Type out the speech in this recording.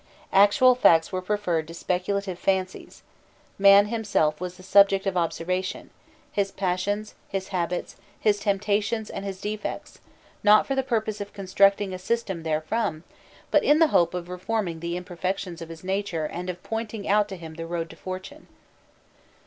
Actual facts were preferred to speculative fancies: man himself was the subject of observation, his passions, his habits, his temptations and his defects, not for the purpose of constructing a system therefrom, but in the hope of reforming the imperfections of his nature and of pointing out to him the road to fortune.